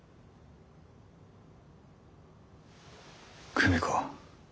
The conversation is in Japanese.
久美子